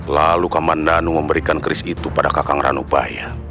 lalu kamandanu memberikan keris itu pada kakak ranubaya